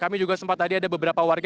kami juga sempat tadi ada beberapa warga